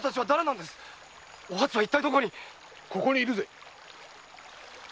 お初は一体どこにここに居るぜ。